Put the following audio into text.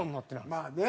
まあね。